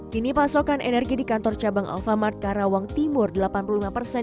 kini pasokan energi di kantor cabang alfamart karawang timur delapan puluh lima persen